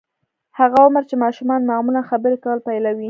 هغه عمر چې ماشومان معمولاً خبرې کول پيلوي.